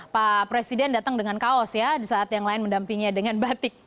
pak presiden datang dengan kaos ya di saat yang lain mendampinginya dengan batik